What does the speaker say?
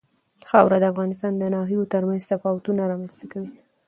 خاوره د افغانستان د ناحیو ترمنځ تفاوتونه رامنځ ته کوي.